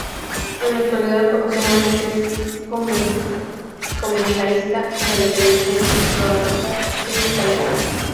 En la actualidad, ocasionalmente es comentarista de la televisión croata e italiana.